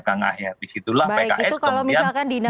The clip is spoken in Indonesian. kang ahyar disitulah pks kemudian